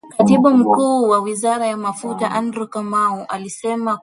Katibu Mkuu wa Wizara ya Mafuta Andrew Kamau alisema kuwa serikali